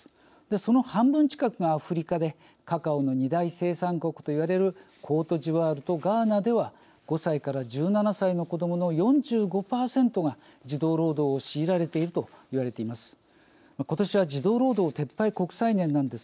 その半分近くがアフリカでカカオの二大生産国といわれるコートジボワールとガーナでは５歳から１７歳の子どもの４５％が児童労働を強いられていると言われています。